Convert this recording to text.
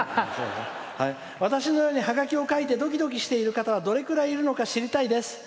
「私のようにハガキを書いてドキドキしているのかがどれくらいいるのか知りたいです。